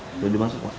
yang sudah dimasak